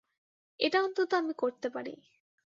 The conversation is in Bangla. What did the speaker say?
এটা অন্তত আমি করতে পারি।